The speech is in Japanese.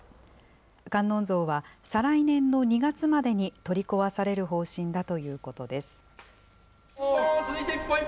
観音像は再来年の２月までに取り壊される方針だということです。